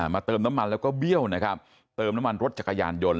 มาเติมน้ำมันก็เบี้ยวเริ่มน้ำมันรถจักรยานยนต์